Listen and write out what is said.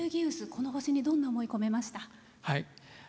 この場所にどんな思いを込めました？